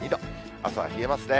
あすは冷えますね。